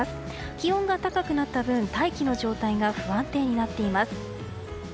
気温が高くなった分大気の状態が不安定になっています。